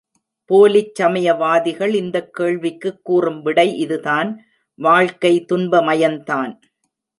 போலிச் சமயவாதிகள் இந்தக் கேள்விக்குக் கூறும் விடை இது தான் வாழ்க்கை துன்பமயந்தான்.